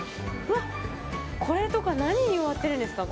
これとか何に植わってるんですか？